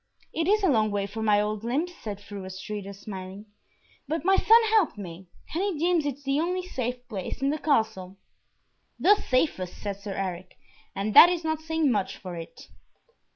"It is a long way for my old limbs," said Fru Astrida, smiling, "but my son helped me, and he deems it the only safe place in the Castle." "The safest," said Sir Eric, "and that is not saying much for it."